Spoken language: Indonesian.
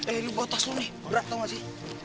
eh lo bawa tas lo nih berat tau gak sih